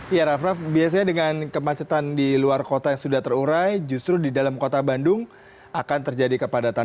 ya raff raff biasanya dengan kemacetan di luar kota yang sudah terurai justru di dalam kota bandung akan terjadi kepadatan